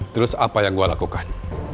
terus apa yang gue lakukan